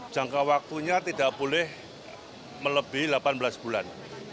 jangka waktunya tidak boleh melebihi delapan belas bulan